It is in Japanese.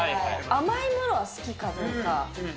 甘いものは好きかどうか？